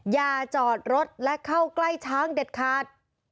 อย่าจอดรถและเข้าใกล้ช้างเด็ดขาด